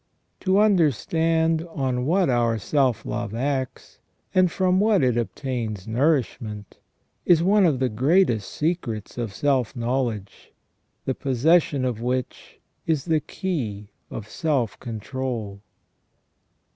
To understand on what our self love acts, and from what it obtains nourishment, is one of the greatest secrets of self knowledge, the possession of which is the key of self control.